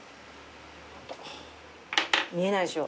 見えないでしょ？